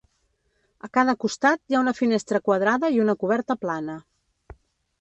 A cada costat hi ha una finestra quadrada i una coberta plana.